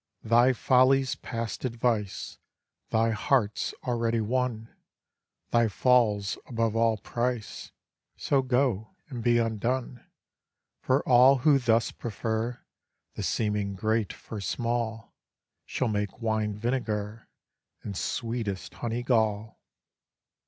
Thy folly's past advice, Thy heart's already won, Thy fall's above all price, So go, and be undone; For all who thus prefer The seeming great for small, Shall make wine vinegar, And sweetest honey gall.